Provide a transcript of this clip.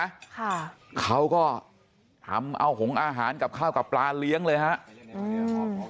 ค่ะเขาก็ทำเอาหงอาหารกับข้าวกับปลาเลี้ยงเลยฮะอืม